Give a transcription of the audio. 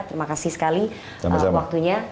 terima kasih sekali waktunya